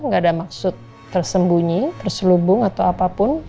nggak ada maksud tersembunyi terselubung atau apapun